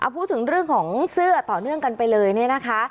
พูดถึงเรื่องของเสื้อต่อเนื่องกันไปเลยเนี่ยนะคะ